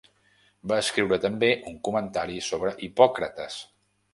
Va escriure també un comentari sobre Hipòcrates.